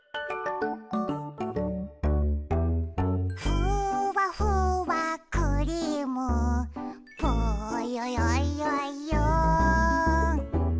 「ふわふわクリームぽよよよよん」